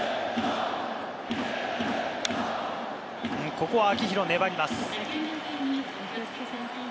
ここは秋広、粘ります。